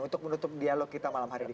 untuk menutup dialog kita malam hari ini